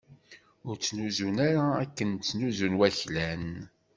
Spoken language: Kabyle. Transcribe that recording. Ur ttnuzun ara akken i ttnuzun waklan.